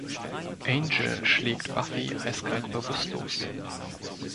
Angel schlägt Buffy eiskalt bewusstlos.